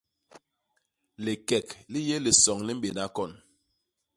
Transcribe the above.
Likek li yé lisoñ li mbéna kon.